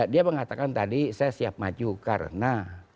dia mengatakan tadi saya siap maju karena